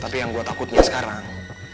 tapi yang buat takutnya sekarang